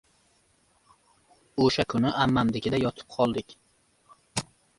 O‘sha kuni ammamnikida yotib qoldik.